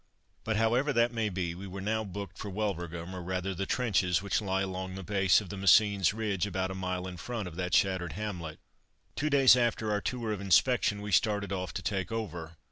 But, however that may be, we were now booked for Wulverghem, or rather the trenches which lie along the base of the Messines ridge, about a mile in front of that shattered hamlet. Two days after our tour of inspection we started off to take over.